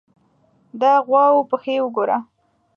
_د غواوو پښې وګوره!